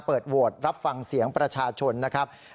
เปิดโวทย์รับฟังเสียงประชาชนนะครับ